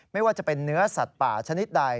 ไม่ว่าจะเป็นเนื้อสัตว์ป่าชนิดใด